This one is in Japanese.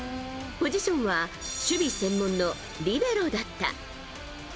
ポジションは守備専門のリベロだった。